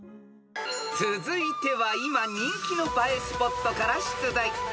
［続いては今人気の映えスポットから出題］